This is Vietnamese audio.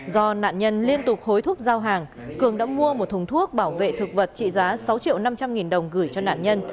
do nạn nhân liên tục hối thúc giao hàng cường đã mua một thùng thuốc bảo vệ thực vật trị giá sáu triệu năm trăm linh nghìn đồng gửi cho nạn nhân